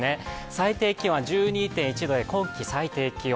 最低気温は１２．１度で今季最低気温。